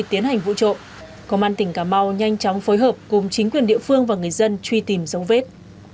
tiến hành vụ trộm công an tỉnh cà mau nhanh chóng phối hợp cùng chính quyền địa phương và người dân truy tìm dấu vết